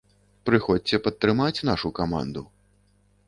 Прыходзьце падтрымаць нашу каманду.